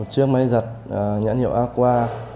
một chiếc máy giặt nhãn hiệu aqua